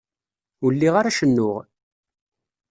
Ur lliɣ ara cennuɣ.